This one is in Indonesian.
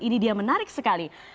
ini dia menarik sekali